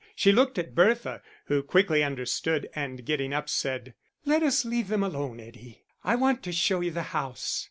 She looked at Bertha, who quickly understood, and getting up, said "Let us leave them alone, Eddie; I want to show you the house."